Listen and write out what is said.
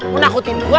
pernah akutin gua